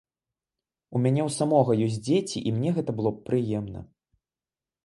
У мяне ў самога ёсць дзеці і мне гэта было б прыемна.